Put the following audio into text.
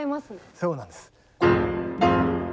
そうなんです。